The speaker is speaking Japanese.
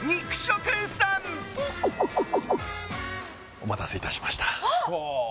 お待たせいたしました。